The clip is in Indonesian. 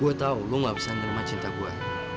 gue tahu lo nggak bisa nerima cinta gue